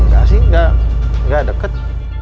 gak sih gak deket